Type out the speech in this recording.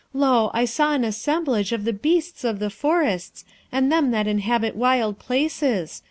Lo! I saw an assemblage of the beasts of the forests and them that inhabit wild places.